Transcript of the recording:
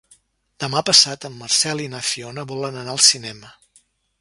Demà passat en Marcel i na Fiona volen anar al cinema.